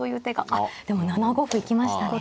あっでも７五歩行きましたね。